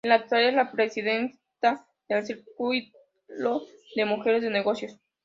En la actualidad, es la presidenta del Círculo de Mujeres de Negocios.